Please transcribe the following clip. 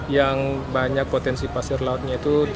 yang banyak potensi pasir lautnya itu